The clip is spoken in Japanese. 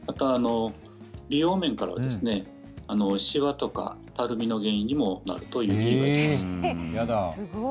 美容面からはしわとかたるみの原因にもなるやだ。